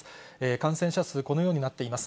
感染者数、このようになっています。